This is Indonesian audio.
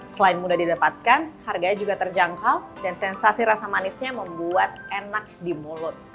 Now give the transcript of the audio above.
selain mudah didapatkan harganya juga terjangkau dan sensasi rasa manisnya membuat enak di mulut